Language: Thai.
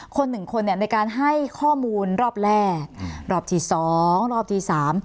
คนหนึ่งคนเนี่ยในการให้ข้อมูลรอบแรกรอบที่สองรอบที่สาม